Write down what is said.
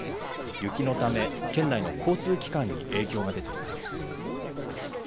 雪のため、県内の交通機関に影響が出ています。